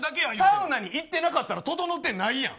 サウナに行ってなかったらととのってないやん。